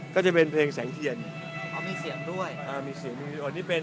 ก็จะเป็นเพลงแสงเทียนอ๋อมีเสียงด้วยอ่ามีเสียงวีดีโอนี่เป็น